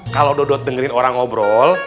kalau dodo dengerin orang ngobrol